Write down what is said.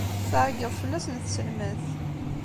Tεeyyeḍ fell-asen tselmadt.